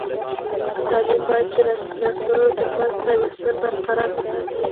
تعلیم باید د نسلونو ترمنځ پیوستون برقرار وساتي.